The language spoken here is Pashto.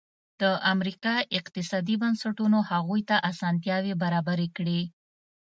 د امریکا اقتصادي بنسټونو هغوی ته اسانتیاوې برابرې کړې.